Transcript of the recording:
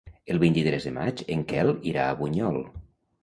El vint-i-tres de maig en Quel irà a Bunyol.